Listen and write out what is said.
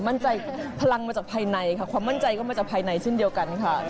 พลังมาจากภายในค่ะความมั่นใจก็มาจากภายในเช่นเดียวกันค่ะ